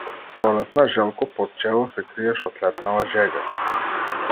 Столетна желко, под чевел се криеш од летнава жега!